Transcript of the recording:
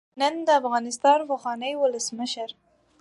نن د افغانستان د پخواني ولسمشر